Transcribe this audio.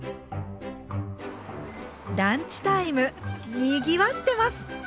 ランチタイムにぎわってます！